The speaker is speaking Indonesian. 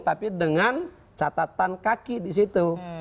tapi dengan catatan kaki di situ